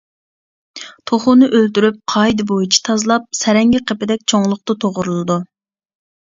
توخۇنى ئۆلتۈرۈپ، قائىدە بويىچە تازىلاپ، سەرەڭگە قېپىدەك چوڭلۇقتا توغرىلىدۇ.